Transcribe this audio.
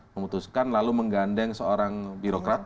memutuskan lalu menggandeng seorang birokrat